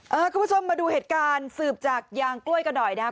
คุณผู้ชมมาดูเหตุการณ์สืบจากยางกล้วยกันหน่อยนะครับ